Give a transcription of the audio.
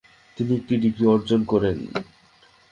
তিনি একটি ডিগ্রি অর্জন করেন।